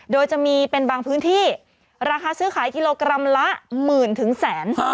โดยจะมีเป็นบางพื้นที่ราคาซื้อขายกิโลกรัมละหมื่นถึงแสน